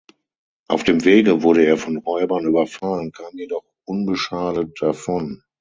Auf dem Wege wurde er von Räubern überfallen, kam jedoch unbeschadet davon.